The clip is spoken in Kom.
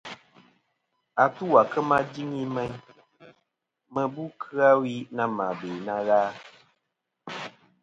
Atu à kema jɨŋi meyn, mɨ bu kɨ-a wi na mɨ be na gha.